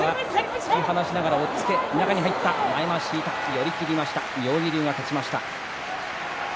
寄り切りました妙義龍は勝ちました。